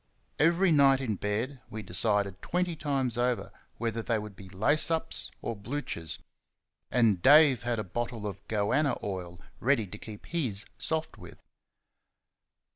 Every night, in bed, we decided twenty times over whether they would be lace ups or bluchers, and Dave had a bottle of "goanna" oil ready to keep his soft with.